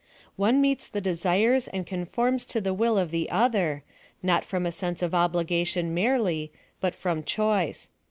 One meets the desires and conforms to the will of the other, not from a sense of obligation merely, but from choice.